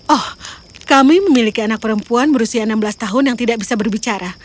oh kami memiliki anak perempuan berusia enam belas tahun yang tidak bisa berbicara